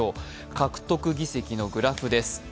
獲得議席のグラフです。